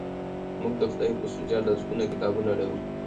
موږ د خدای په سوژه لسګونه کتابونه لرو.